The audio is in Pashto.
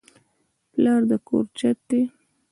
پلار د کور چت دی